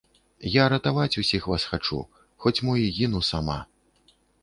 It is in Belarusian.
Я ратаваць усіх вас хачу, хоць мо і гіну сама.